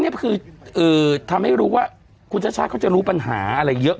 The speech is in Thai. เนี้ยคือเอ่อทำให้รู้ว่าคุณชาติเขาจะรู้ปัญหาอะไรเยอะ